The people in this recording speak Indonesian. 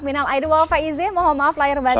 minal aidul faize mohon maaf lahir batin